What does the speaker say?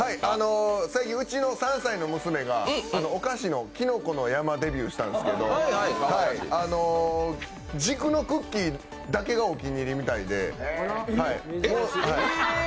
最近、うちの３才の娘がお菓子のきのこの山デビューしたんですすけど軸のクッキーだけがお気に入りみたいで。